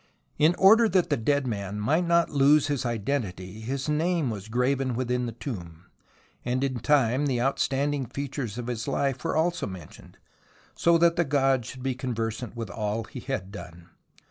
In order that the dead man might not lose his identity, his name was graven within the tomb, and in time the outstanding features of his life were also mentioned, so that the gods should be con versant with all he had done.